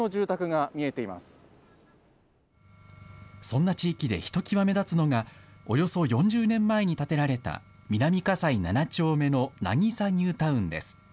そんな地域でひときわ目立つのがおよそ４０年前に建てられた南葛西７丁目のなぎさニュータウンです。